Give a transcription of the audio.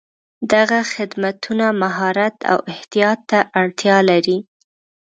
دغه خدمتونه مهارت او احتیاط ته اړتیا لري.